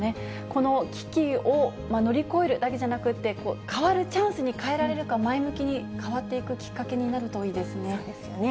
この危機を乗り越えるだけじゃなくって、変わるチャンスに変えられるか、前向きに変わっていくきっかけになるといいですね。